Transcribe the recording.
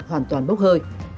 hoàn toàn bốc hơi